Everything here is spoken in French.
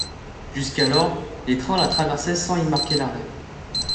Jusqu'alors, les trains la traversaient sans y marquer l'arrêt.